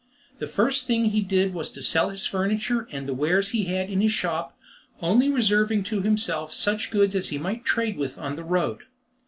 The first thing he did was to sell his furniture and the wares he had in his shop, only reserving to himself such goods as he might trade with on the road.